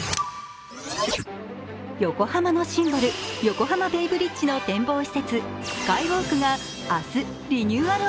横浜のシンボル、横浜ベイブリッジの展望施設、スカイウォークが明日、リニューアル